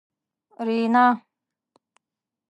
رینا